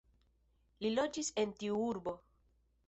Li loĝis en tiu urbo.